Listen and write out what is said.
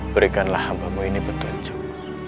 berikanlah hambamu ini petunjuk